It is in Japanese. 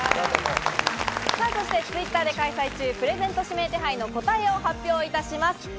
そしてＴｗｉｔｔｅｒで開催中、プレゼント指名手配の答えを発表いたします。